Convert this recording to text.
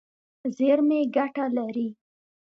زیرمې ګټه لري.